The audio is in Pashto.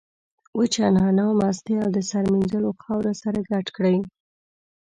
وچه نعناع، مستې او د سر مینځلو خاوره سره ګډ کړئ.